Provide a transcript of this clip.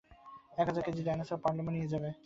এক হাজার কেজির ডাইনোসর পালের্মো নিয়ে যাবে।